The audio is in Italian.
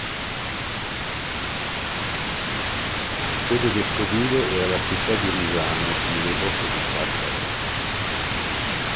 Sede vescovile era la città di Risano nelle Bocche di Cattaro.